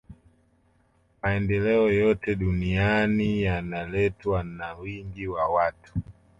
maendeleo yoyote duniani yanaletwa na wingi wa watu